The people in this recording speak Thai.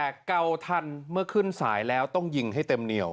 แต่เกาทันเมื่อขึ้นสายแล้วต้องยิงให้เต็มเหนียว